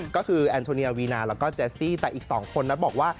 ก็คือแอนโทเนียวีนาแล้วก็แสซี่แต่อีก๒คนนั้นบอกว่า